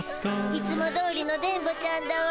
いつもどおりの電ボちゃんだわ。